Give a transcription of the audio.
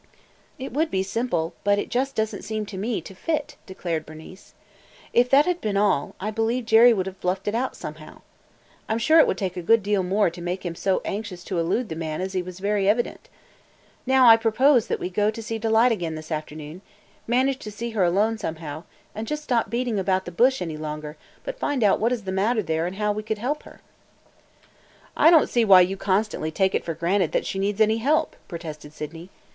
"It would be simple, but it just does n't seem to me to fit," declared Bernice. "If that had been all, I believe Jerry would have bluffed it out somehow. I 'm sure it would take a good deal more to make him so anxious to elude the man as he was very evidently. Now I propose that we go to see Delight again this afternoon – manage to see her alone somehow, – and just stop beating about the bush any longer but find out what is the matter there and how we could help her." "I don't see why you constantly take it for granted that she needs any help!" protested Sydney.